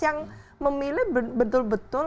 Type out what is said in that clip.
yang memilih betul betul